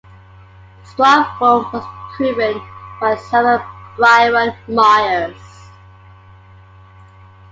The strong form was proven by Sumner Byron Myers.